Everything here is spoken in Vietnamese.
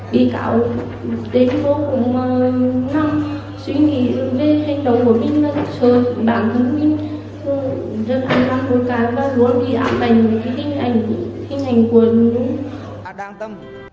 vị cáo linh đến phố